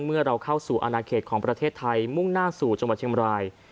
เมื่อเราเข้าสู่อนาเขตของประเทศไทยมุ่งหน้าสู่จังหวัดเชียงบราย